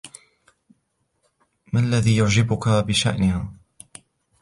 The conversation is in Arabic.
ما الذي يعجبك بشأنها؟